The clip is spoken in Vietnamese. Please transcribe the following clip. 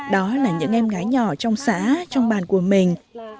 đó là những em gái nhỏ trong xã trong bàn của mình